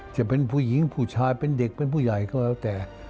จะเป็นผู้หญิงผู้ชายเป็นเด็กเป็นผู้ใหญ่ก็แล้วแต่